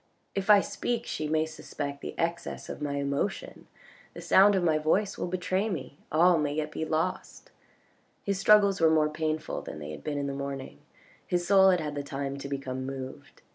If I speak she may suspect the excess of my emotion, the sound of my voice will betray me. All may yet be lost. His struggles were more painful than they had been in the morning, his soul had had the time to become moved.